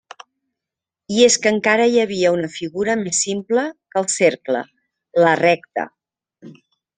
I és que encara hi havia una figura més simple que el cercle: la recta.